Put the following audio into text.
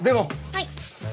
はい。